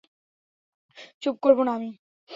চুপ করব না আমি।